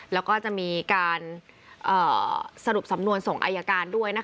แล้วก็จะมีการสรุปสำนวนส่งอายการด้วยนะคะ